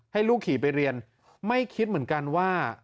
ให้ลูกขี่ไปเรียนไม่คิดเหมือนกันว่า